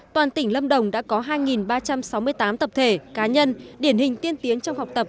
toàn tỉnh lâm đồng đã có hai ba trăm sáu mươi tám tập thể cá nhân điển hình tiên tiến trong học tập